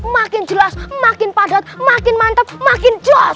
makin jelas makin padat makin mantap makin jelas